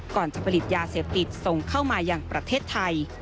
ก่อนจะผลิตยาเสพติดส่งเข้ามาอย่างประเทศไทย